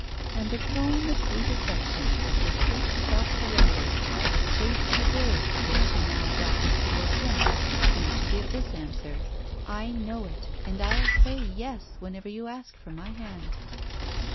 And the tone of sweet affection, of discreet self surrender, of chaste reserve which she now adopted toward him, seemed to give this answer: "I know it, and I'll say 'yes' whenever you ask for my hand."